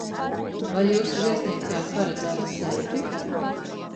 Vai jūsu viesnīcā ir paredzēti seifi?